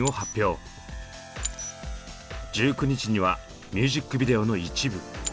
１９日にはミュージックビデオの一部。